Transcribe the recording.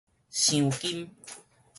鑲金